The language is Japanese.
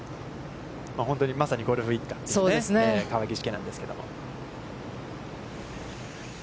本当にまさにゴルフ一家という川岸家なんですけれども。